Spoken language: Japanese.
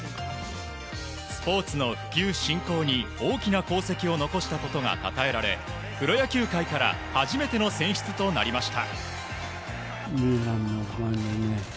スポーツの普及・振興に大きな功績を残したことがたたえられプロ野球界から初めての選出となりました。